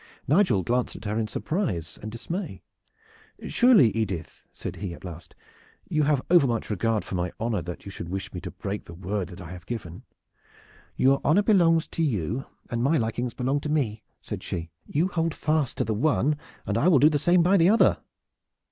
Nigel glanced at her in surprise and dismay. "Surely, Edith," said he at last, "you have overmuch regard for my honor that you should wish me to break the word that I have given?" "Your honor belongs to you, and my likings belong to me," said she. "You hold fast to the one, and I will do the same by the other."